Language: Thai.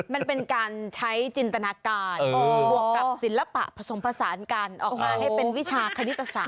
มันเป็นการใช้จินตนาการบวกกับศิลปะผสมผสานกันออกมาให้เป็นวิชาคณิตศาส